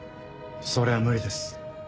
それは無理です。